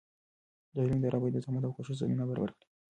د علم اداره باید د زحمت او کوشش زمینه برابره کړي.